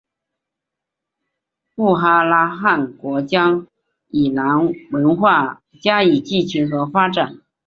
布哈拉汗国将伊斯兰文化加以继承和发展。